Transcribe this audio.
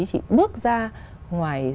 chỉ bước ra ngoài